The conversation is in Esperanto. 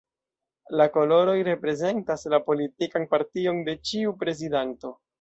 La koloroj reprezentas la politikan partion de ĉiu prezidanto.